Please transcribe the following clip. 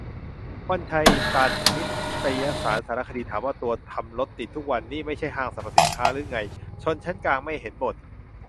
วันชัย ตัน นิตยสารสารคดี ถามว่า ตัวทำรถติดทุกวันนี่ ไม่ใช่ห้างสรรพสินค้าหรือไง ชนชั้นกลางไม่เห็นบ่น